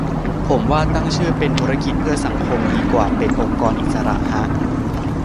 ผมว่าตั้งชื่อเป็น ธุรกิจเพื่อสังคม ดีกว่าเป็น องค์กรอิสระ ฮะ